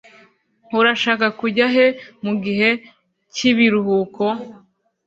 urashaka kujya he mugihe cyibiruhuko